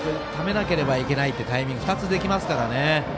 なければいけないタイミング、２つできますからね。